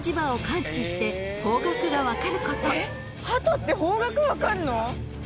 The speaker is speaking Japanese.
えっハトって方角分かんの！？